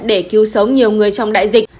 để cứu sống nhiều người trong đại dịch